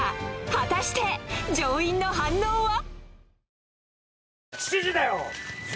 果たして乗員の反応は？